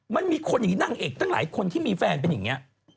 มันมีคนอย่างนี้นางเอกตั้งหลายคนที่มีแฟนเป็นอย่างนี้